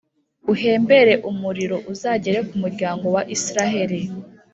uhembere umuriro uzagera ku muryango wa Israheli